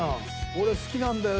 俺好きなんだよ